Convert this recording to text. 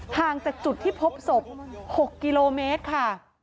ห่างจากจุดที่พบศพ๖กิโลเมตรค่ะ